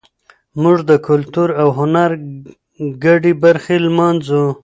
موږ د کلتور او هنر ګډې برخې لمانځو.